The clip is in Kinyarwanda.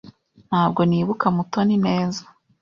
Ntabwo nibuka Mutoni neza.